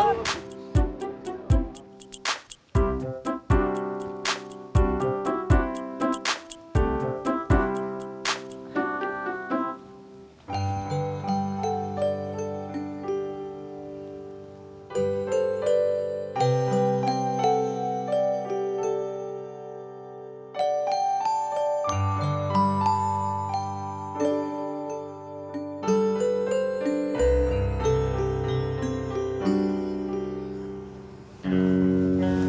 oke jadi apa ini